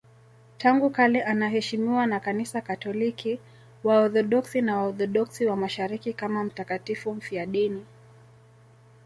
Tangu kale anaheshimiwa na Kanisa Katoliki, Waorthodoksi na Waorthodoksi wa Mashariki kama mtakatifu mfiadini.